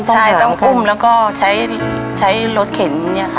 ใช่ต้องอุ้มแล้วก็ใช้รถเข็นเนี่ยค่ะ